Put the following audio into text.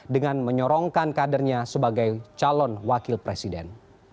dengan menyorongkan kadernya sebagai calon wakil presiden